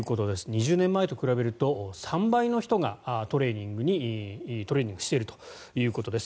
２０年前と比べると３倍の人がトレーニングしているということです。